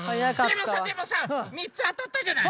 でもさでもさ３つあたったじゃない。